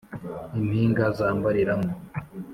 impinga zambariramo